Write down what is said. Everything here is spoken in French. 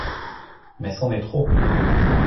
Mais c’en est trop !